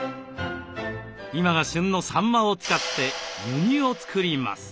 今が旬のサンマを使って湯煮を作ります。